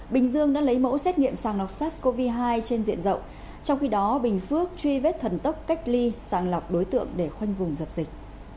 bình dương đã lấy mẫu xét nghiệm sàng lọc sars cov hai trên diện rộng trong khi đó bình phước truy vết thần tốc cách ly sàng lọc đối tượng để khoanh vùng dập dịch